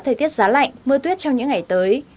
thời tiết giá lạnh mưa tuyết trong những ngày tới